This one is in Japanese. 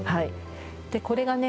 でこれがね